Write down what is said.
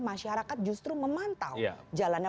masyarakat justru memantau jalannya